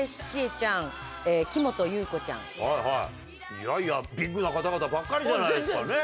いやいやビッグな方々ばっかりじゃないですかね。